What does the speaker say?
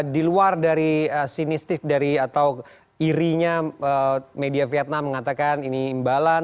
di luar dari sinistik dari atau irinya media vietnam mengatakan ini imbalan